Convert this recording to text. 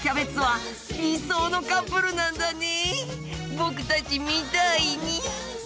僕たちみたいに。